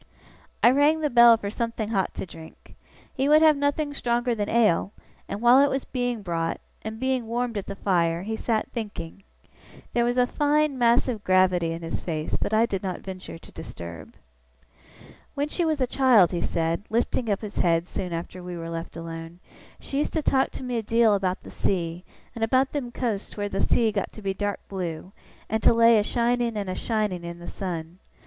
I rang the bell for something hot to drink. He would have nothing stronger than ale; and while it was being brought, and being warmed at the fire, he sat thinking. There was a fine, massive gravity in his face, I did not venture to disturb. 'When she was a child,' he said, lifting up his head soon after we were left alone, 'she used to talk to me a deal about the sea, and about them coasts where the sea got to be dark blue, and to lay a shining and a shining in the sun.